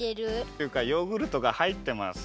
っていうかヨーグルトがはいってます。